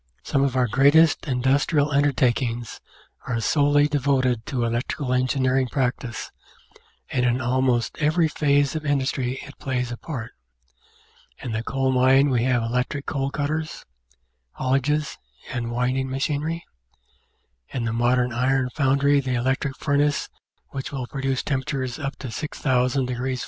Some of our greatest industrial undertakings are solely de voted to Electrical Engineering practice, and in almost every phase of industry it plays a part: in the coal mine we have electric coal cutters, haulages, and winding machinery; in the modern iron foundry the electric furnace which will produce tempera tures up to 6,000 F.